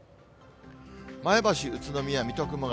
前橋、宇都宮、水戸、熊谷。